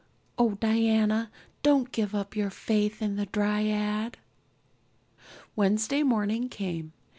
Oh, Diana, don't give up your faith in the dryad!" Wednesday morning came.